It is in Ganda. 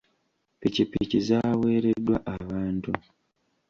Ppikipiki zaaweereddwa abantu.